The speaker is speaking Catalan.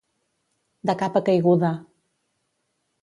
De capa caiguda.